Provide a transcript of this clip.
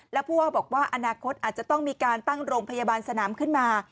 แล้วผู้ว่าบอกว่าอนาคตอาจจะต้องมีการตั้งโรงพยาบาลสนามขึ้นมา